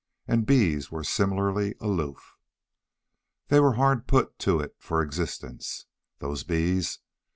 And bees were similarly aloof. They were hard put to it for existence, those bees.